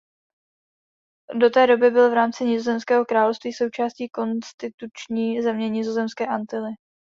Do té doby byl v rámci Nizozemského království součástí konstituční země Nizozemské Antily.